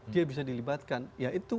dia bisa dilibatkan yaitu